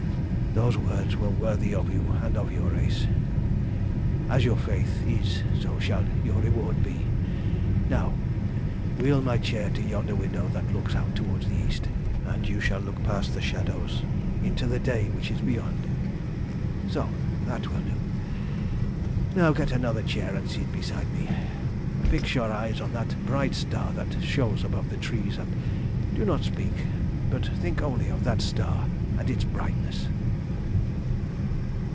Those words were worthy of you and of your race! As your faith is, so shall your reward be. Now wheel my chair to yonder window that looks out towards the east, and you shall look past the shadows into the day which is beyond. So! that will do. Now get another chair and sit beside me. Fix your eyes on that bright star that shows above the trees, and do not speak, but think only of that star and its brightness."